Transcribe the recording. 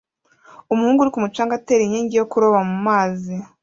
Umuhungu uri ku mucanga atera inkingi yo kuroba mu mazi